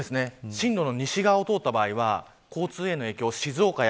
進路の西側を通った場合は交通への影響